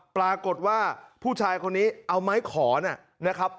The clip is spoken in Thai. ปรากฏว่าผู้ชายคนนี้เอาไม้ขอนนะครับ